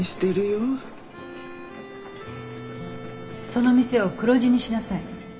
その店を黒字にしなさい。